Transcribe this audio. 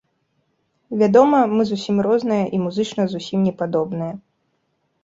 Вядома, мы зусім розныя і музычна зусім не падобныя.